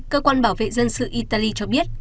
cơ quan bảo vệ dân sự italy cho biết